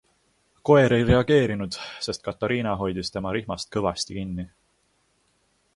Koer ei reageerinud, sest Katariina hoidis tema rihmast kõvasti kinni.